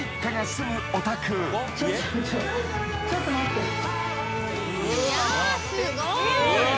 すごい。